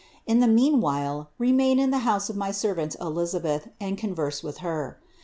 In the meanwhile remain in the house of my servant Elisabeth and converse with her.